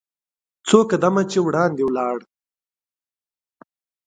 څو قدمه چې وړاندې ولاړ .